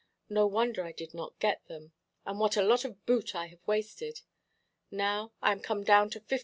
No wonder I did not get them: and what a lot of boot I have wasted! Now I am come down to 50_l.